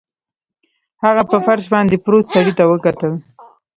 هغه په فرش باندې پروت سړي ته وکتل